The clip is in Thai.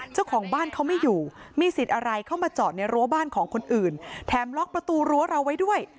เจ้าของบ้านเขาไม่อยู่มีสิทธิ์อะไรเข้ามาจอดในรั้วบ้านของคนอื่นแถมล็อกประตูรั้วเราไว้ด้วย